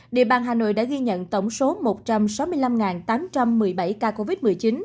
địa bàn hà nội đã ghi nhận tổng số một trăm sáu mươi năm tám trăm một mươi bảy ca covid một mươi chín